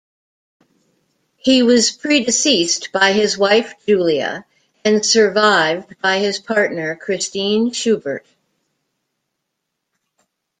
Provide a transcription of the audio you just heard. He was predeceased by his wife, Julia, and survived by his partner, Christine Schubert.